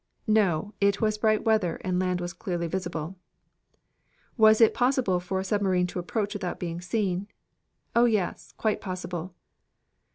"No. It was bright weather, and land was clearly visible." "Was it possible for a submarine to approach without being seen?" "Oh, yes; quite possible."